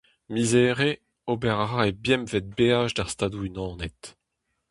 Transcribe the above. Miz Here : ober a ra e bempvet beaj d'ar Stadoù-Unanet.